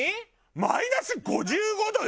マイナス５５度よ！